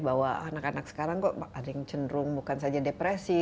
bahwa anak anak sekarang kok ada yang cenderung bukan saja depresi